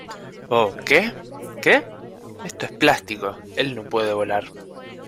¿ Oh, qué? ¿ qué ? esto es plástico. él no puede volar .